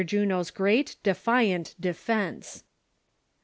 JUNO'S GREAT, DEFIANT DEFENCE.